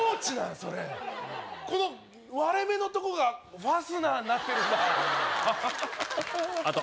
それこの割れ目のとこがファスナーになってるんだハハハハあと